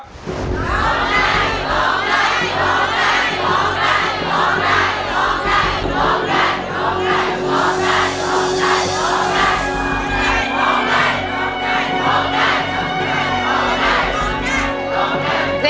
โพกใจโพกใจโพกใจ